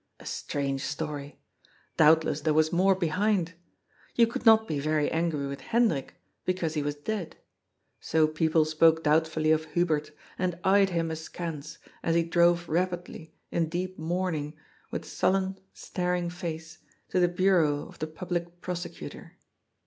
A strange story. Doubtless there was more behind. You could not be very angry with Hendrik, because he was dead. So people spoke doubtfully of Hubert, and eyed him askance, as he drove rapidly, in deep mourning, with sullen, staring face, to the Bureau of the Public Prosecutor.